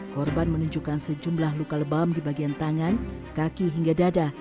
korban menunjukkan sejumlah luka lebam di bagian tangan kaki hingga dada